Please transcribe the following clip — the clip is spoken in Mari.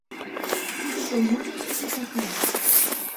Тудыжо мо дене титакан?